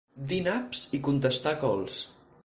Dir naps i contestar cols.